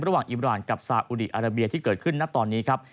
ระหว่างอิมราณกับสาอุดิอาราเบียที่เกิดขึ้นนะตอนนี้ครับ